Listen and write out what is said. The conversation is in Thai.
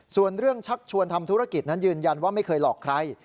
ส่วนเรื่องชักชวนทำธุรกิจนั้นยืนยันว่าไม่เคยหลอกใคร